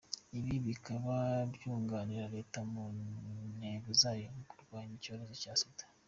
Ibi bikaba byunganira Leta mu ntego zayo zo kurwanya icyorezo cya sida».